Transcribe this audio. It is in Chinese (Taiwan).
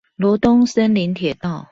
羅東森林鐵道